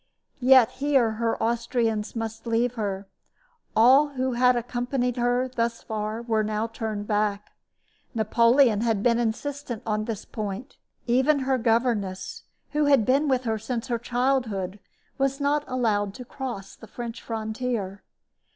Yet here her Austrians must leave her. All who had accompanied her thus far were now turned back. Napoleon had been insistent on this point. Even her governess, who had been with her since her childhood, was not allowed to cross the French frontier.